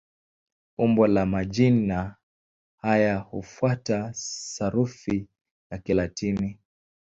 Umbo la majina haya hufuata sarufi ya Kilatini.